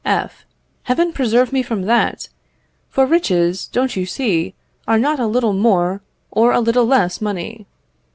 F. Heaven preserve me from that! For riches, don't you see, are not a little more or a little less money.